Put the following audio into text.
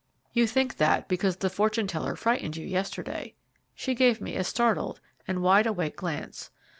"You think that, because the fortune teller frightened you yesterday." She gave me a startled and wide awake glance.